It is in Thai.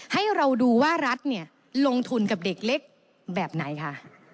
ให้เราดูว่ารัฐเนี่ยลงทุนกับเด็กเล็กแบบไหนคะ